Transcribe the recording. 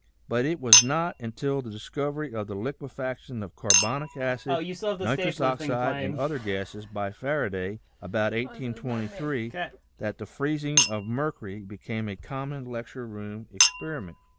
But it was not until the discovery of the liquefaction of carbonic acid, nitrous oxide, and other gases by Faraday, about 1823, that the freezing of mercury became a common lecture room experiment.